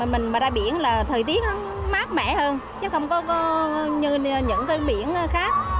mình ra biển là thời tiết mát mẻ hơn chứ không có như những cái biển khác